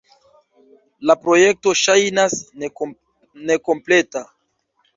La projekto ŝajnas nekompleta.